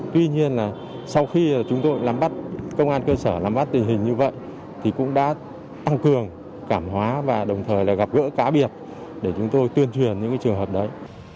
tuy nhiên là sau khi chúng tôi nắm bắt công an cơ sở nắm bắt tình hình như vậy thì cũng đã tăng cường cảm hóa và đồng thời là gặp gỡ cá biệt để chúng tôi tuyên truyền những trường hợp đấy